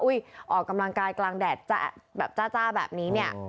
ออกกำลังกายกลางแดดแบบจ้าแบบนี้เนี่ย